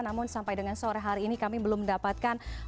namun sampai dengan sore hari ini kami belum mendapatkan